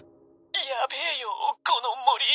ヤベえよこの森。